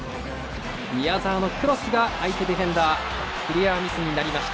宮澤のクロスが相手ディフェンダーのクリアミスになりました。